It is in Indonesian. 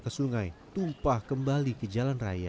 ke sungai tumpah kembali ke jalan raya